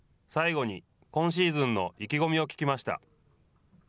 最後に今シーズンの意気込みを聞きました。